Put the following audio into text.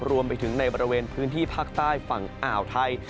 รวมไปถึงในบริเวณพื้นที่ภาคใต้ฝั่งอ่าวไทย